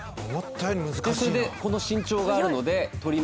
それで、この身長があるので取りました。